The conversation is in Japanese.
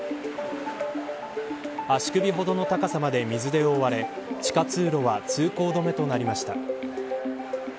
足首ほどの高さまで水で覆われ地下通路は通行止めとなりました。